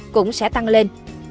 cũng sẽ tăng lên